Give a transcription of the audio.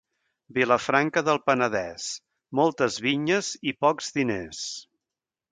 Vilafranca del Penedès, moltes vinyes i pocs diners.